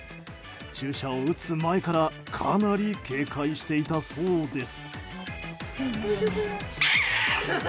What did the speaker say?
注射を打つ前からかなり警戒していたそうです。